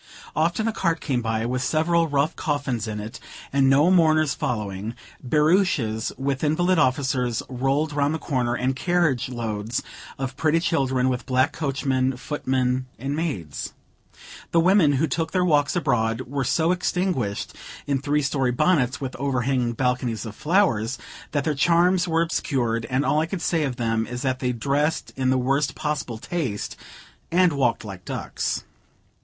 Often a cart came by, with several rough coffins in it and no mourners following; barouches, with invalid officers, rolled round the corner, and carriage loads of pretty children, with black coachmen, footmen, and maids. The women who took their walks abroad, were so extinguished in three story bonnets, with overhanging balconies of flowers, that their charms were obscured; and all I can say of them is, that they dressed in the worst possible taste, and walked like ducks.